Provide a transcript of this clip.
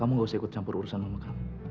kamu nggak usah ikut campur urusan mama kamu